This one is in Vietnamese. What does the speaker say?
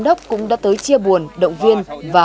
đốc cũng đã tới chia buồn động viên và